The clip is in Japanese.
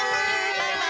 バイバイ！